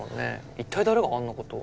一体誰があんな事を？